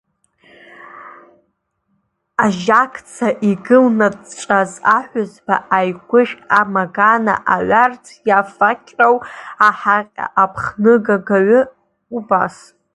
Ажьакца икылнаҵәҵәаз аҳәызба, аигәышә, амагана, аҩарӡ иафахьоу аҳаҟьа, аԥхныгагьы убас…